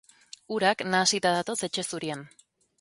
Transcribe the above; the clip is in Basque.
Urak nahasita datoz etxe zurian.